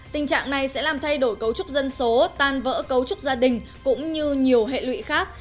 tình trạng này sẽ làm thay đổi cấu trúc dân số tan vỡ cấu trúc gia đình cũng như nhiều hệ lụy khác